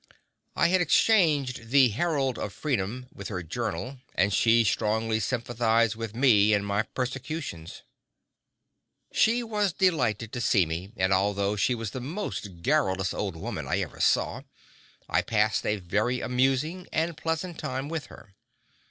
I had exchanged The Herald of Freedom with her journal and she strongly sympathized with me in my persecutions. She was delighted to see me and although she was the most garrulous old woman I ever saw, I passed a very amusing and pleasant time with her.